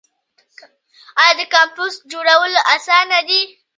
آیا د کمپوسټ جوړول اسانه دي؟